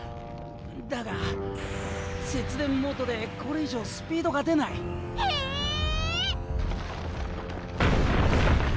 だが節電モードでこれ以上スピードが出ない！えっ！？